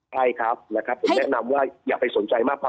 ใช่ครับนะครับแนะนำว่าอยากไปสนใจมาก